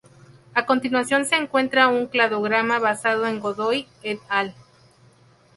A continuación se encuentra un cladograma basado en Godoy "et al.